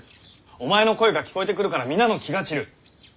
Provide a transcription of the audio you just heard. お前の声が聞こえてくるから皆の気が散る。